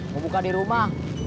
mau buka dirumah